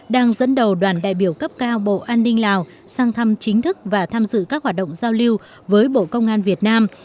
đang dẫn đầu đoàn đại biểu cấp cao bộ an ninh lào sang thăm chính thức và tham dự các hoạt động giao lưu với bộ công an việt nam